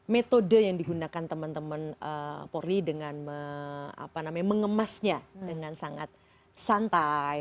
metode yang digunakan teman teman polri dengan mengemasnya dengan sangat santai